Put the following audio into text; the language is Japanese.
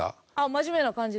真面目な感じで。